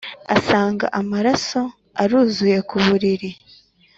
asanga amaraso aruzuye ku buriri.